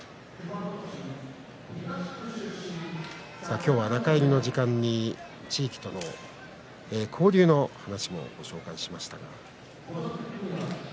今日、中入りの時間に地域との交流の話も紹介しました。